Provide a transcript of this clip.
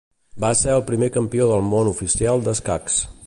Va ser el primer campió del món oficial d'escacs.